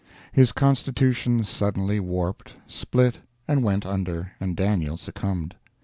His constitution suddenly warped, split and went under, and Daniel succumbed.